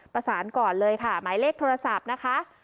ประสานก่อนเลยค่ะหมายเลขโทรศัพท์นะคะ